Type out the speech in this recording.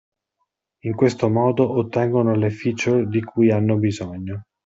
In questo modo ottengono le feature di cui hanno bisogno.